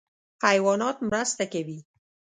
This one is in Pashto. حیوانات مرسته کوي.